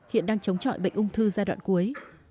hiện đang chống chọi bệnh ung thư giai đoạn cuối